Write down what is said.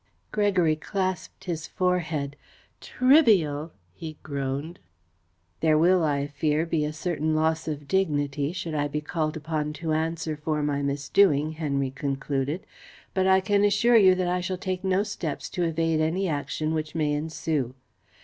Gregory clasped his forehead. "Trivial!" he groaned. "There will, I fear, be a certain loss of dignity should I be called upon to answer for my misdoing," Henry concluded, "but I can assure you that I shall take no steps to evade any action which may ensue.